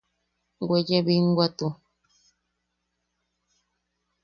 Weye binwatu.